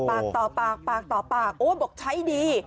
ปากต่อปากปากต่อปากโอ้บอกใช้ดี